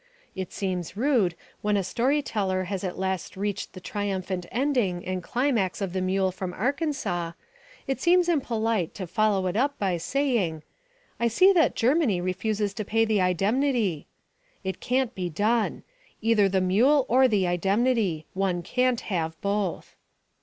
It seems rude, when a story teller has at last reached the triumphant ending and climax of the mule from Arkansas, it seems impolite, to follow it up by saying, "I see that Germany refuses to pay the indemnity." It can't be done. Either the mule or the indemnity one can't have both.